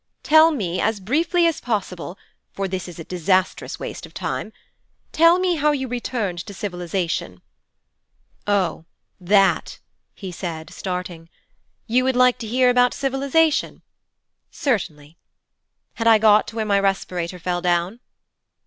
Tell me as briefly as possible, for this is a disastrous waste of time tell me how you returned to civilization.' 'Oh that!' he said, starting. 'You would like to hear about civilization. Certainly. Had I got to where my respirator fell down?'